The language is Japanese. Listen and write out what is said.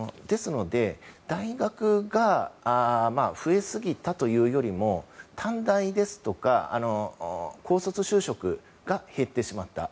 ですので大学が増えすぎたというよりも短大ですとか高卒就職が減ってしまった。